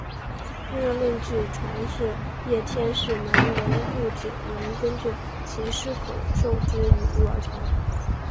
温热论据传是叶天士门人顾景文根据其师口授之语录而成。